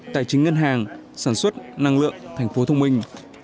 tài chính ngân hàng sản xuất năng lượng thành phố thông minh